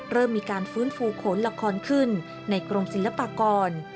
เริ่มมีการฟื้นฟูโขนละครขึ้นในกรมศิลปากร